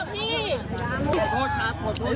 พี่หมดเงินรอรับคน